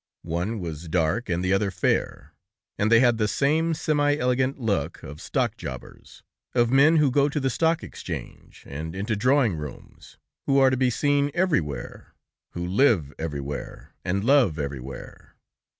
One was dark and the other fair, and they had the same semi elegant look of stock jobbers, of men who go to the Stock Exchange, and into drawing rooms, who are to be seen everywhere, who live everywhere, and love everywhere.